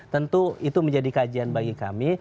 tentu itu menjadi kajian bagi kami